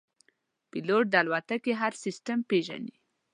پیلوټ د الوتکې هر سیستم پېژني.